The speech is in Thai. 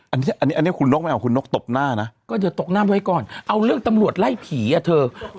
อันนี้อันนี้คุณนกไม่เอาคุณนกตบหน้านะก็เดี๋ยวตกน้ำไว้ก่อนเอาเรื่องตำรวจไล่ผีอ่ะเธอ